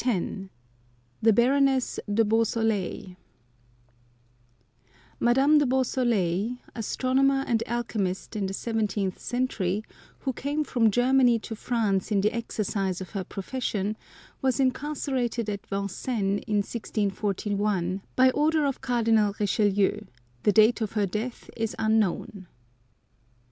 152 THE BARONESS DE BEAUSOLEIL "Madame de Beausoleil, astronomer and al chemist in the seventeenth century, who came from Germany to France in the exercise of her profession, was incarcerated at Vincennes in 1641, by order of Cardinal Richelieu ; the date of her death is unknown."